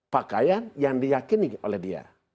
pakaian yang diyakini oleh dia